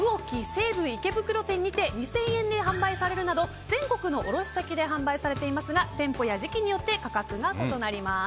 西武池袋店にて２０００円で販売されるなど全国の卸先で販売されていますが店舗や時期によって価格が異なります。